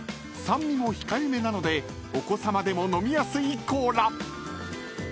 ［酸味も控えめなのでお子さまでも飲みやすいコーラ］